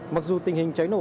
mặc dù tình hình cháy nổ